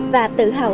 và tự hào